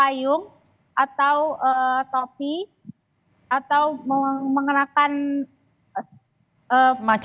lalu jika pernikahan yang terlalu panas maka dianggurkan bagi jemaah untuk sering sering minum air putih